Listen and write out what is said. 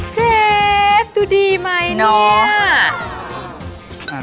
เชฟดูดีไหมเนี่ย